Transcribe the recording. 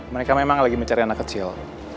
mereka memang lagi mencari anak kecil